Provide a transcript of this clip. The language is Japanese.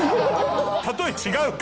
例え違うか？